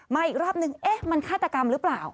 มาอีกรอบนึงมันฆ่าตกรรมหรือเปล่า